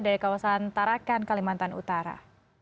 dari kawasan tarakan kalimantan utara